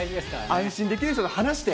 安心できる人と話して。